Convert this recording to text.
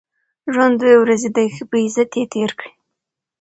ژوند دوې ورځي دئ، ښه په عزت ئې تېر کئ!